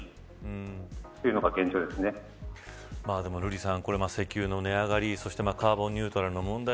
瑠麗さん、石油の値上がりそしてカーボンニュートラルの問題